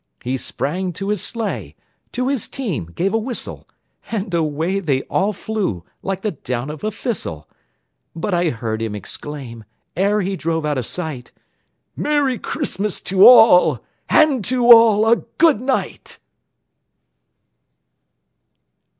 He sprang to his sleigh, to his team gave a whistle, And away they all flew like the down of a thistle; But I heard him exclaim, ere he drove out of sight, "Merry Christmas to all, and to all a good night!"